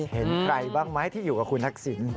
เห็นใครบ้างไหมที่อยู่กับคุณทักษิณ